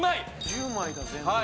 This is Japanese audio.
１０枚だ全部で。